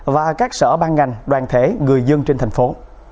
và các sở ban ngành đoàn thể người dân trên thành phố